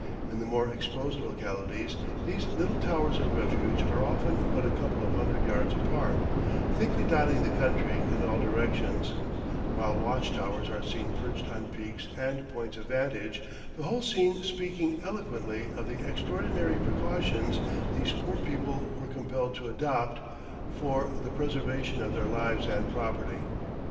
In the more exposed localities these little towers of refuge are often but a couple of hundred yards apart, thickly dotting the country in all directions, while watch towers are seen perched on peaks and points of vantage, the whole scene speaking eloquently of the extraordinary precautions these poor people were compelled to adopt for the preservation of their lives and property.